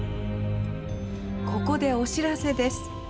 ここでお知らせです。